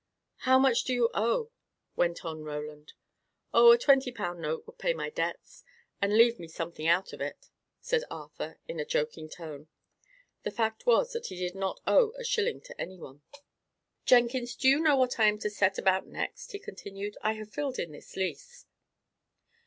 "How much do you owe?" went on Roland. "Oh, a twenty pound note would pay my debts, and leave me something out of it," said Arthur, in a joking tone. The fact was, that he did not owe a shilling to any one. "Jenkins, do you know what I am to set about next?" he continued; "I have filled in this lease."